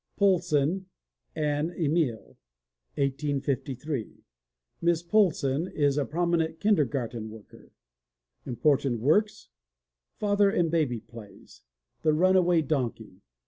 POULSSON, ANNE EMILIE (1853 ) Miss Poulsson is a prominent kindergarten worker. Important Works: Father and Baby Plays. The Runaway Donkey.